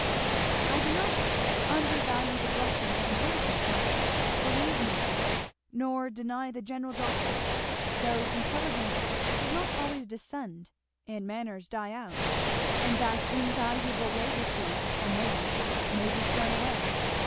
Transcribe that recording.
"I do not undervalue the blessings of inheritance, mother, believe me, nor deny the general doctrine; though intelligence does not always descend, and manners die out, and that invaluable legacy, a name, may be thrown away.